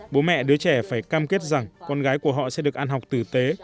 bố mẹ đứa trẻ phải cam kết rằng con gái của họ sẽ được ăn học tử tế